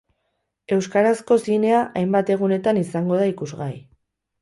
Euskarazko zinea hainbat egunetan izango da ikusgai.